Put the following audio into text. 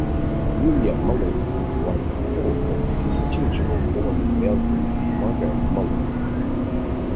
William Mullen was the fourth of six children born Melvin and Margaret Mullen.